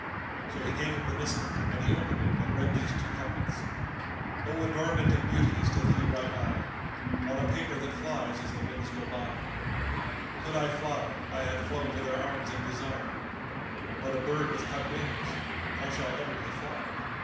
So he gave him the missive and he opened it and read these two couplets:— "O adornment of beauties to thee write I * On a paper that flies as the winds go by: Could I fly, I had flown to their arms in desire, * But a bird with cut wings; how shall ever he fly?"